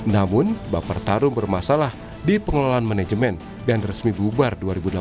namun baper tarung bermasalah di pengelolaan manajemen dan resmi bubar dua ribu delapan belas